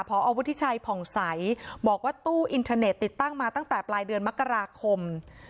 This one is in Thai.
พอวุฒิชัยผ่องใสบอกว่าตู้อินเทอร์เน็ตติดตั้งมาตั้งแต่ปลายเดือนมกราคม